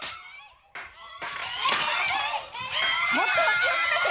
もっと脇をしめて！